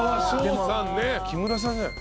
木村さんじゃない？